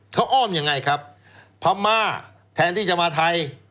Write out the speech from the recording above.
เขาอ้อมยังไงครับพม่าแทนที่จะมาไทย